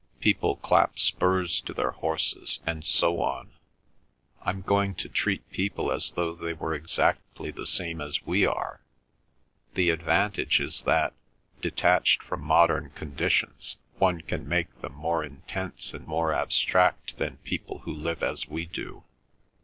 People clap spurs to their horses, and so on. I'm going to treat people as though they were exactly the same as we are. The advantage is that, detached from modern conditions, one can make them more intense and more abstract than people who live as we do."